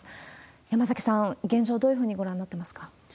山崎さん、現状、どういうふうにご覧になってますか？